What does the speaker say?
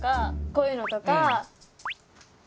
こういうのとか。